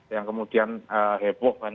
yang kemudian heboh kan